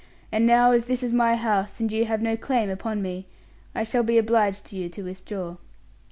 And now, as this is my house, and you have no claim upon me, I shall be obliged to you to withdraw."